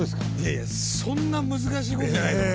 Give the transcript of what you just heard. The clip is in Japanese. いやそんな難しいことじゃないよ。